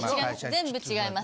全部違います。